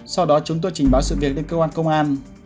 sau đó chúng tôi trình báo sự việc lên cơ quan công an